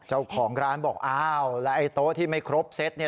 เจ้าของร้านบอกอ้าวแล้วไอ้โต๊ะที่ไม่ครบเซตเนี่ย